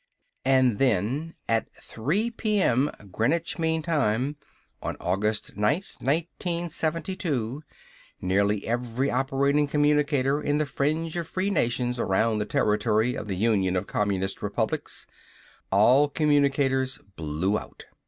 And then, at 3:00 P.M. Greenwich mean time, on August 9, 1972, nearly every operating communicator in the fringe of free nations around the territory of the Union of Communist Republics all communicators blew out.